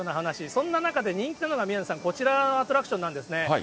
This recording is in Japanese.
そんな中で、人気なのが、宮根さん、こちらのアトラクションなんですね。